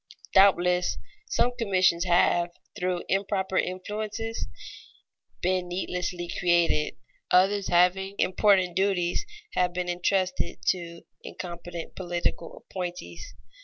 Doubtless some commissions have, through improper influences, been needlessly created; others having important duties have been intrusted to incompetent political appointees.